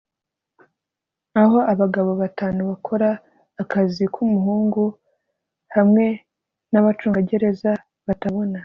Aho abagabo batanu bakora akazi kumuhungu hamwe nabacungagereza batabona